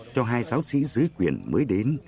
cho hai giáo sĩ dưới quyền mới đến